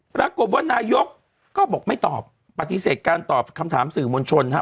ปรากฏว่านายกก็บอกไม่ตอบปฏิเสธการตอบคำถามสื่อมวลชนฮะ